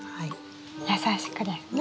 優しくですね？